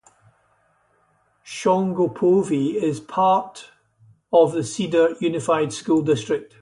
Shongopovi is a part of the Cedar Unified School District.